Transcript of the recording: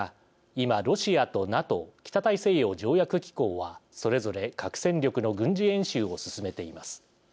今、ロシアとＮＡＴＯ＝北大西洋条約機構はそれぞれ核戦力の軍事演習を進めています。